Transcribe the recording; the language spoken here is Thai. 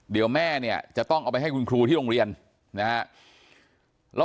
เดี๋ยวแม่เนี่ยจะต้องเอาไปให้คุณครูที่โรงเรียนนะฮะ